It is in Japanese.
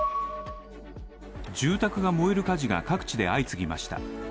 住宅が燃える火事が各地で相次ぎました。